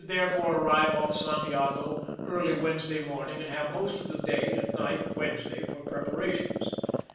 therefore arrive off Santiago early Wednesday morning and have most of the day and night of Wednesday for preparations.